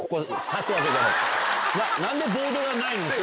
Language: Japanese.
何でボードがないのに。